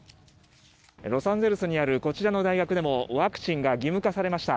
ロサンゼルスにあるこちらの大学でもワクチンが義務化されました。